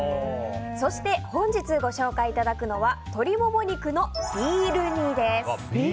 そして、本日ご紹介いただくのは鶏モモ肉のビール煮です。